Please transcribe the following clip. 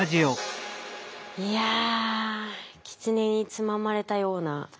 いやキツネにつままれたような気分です。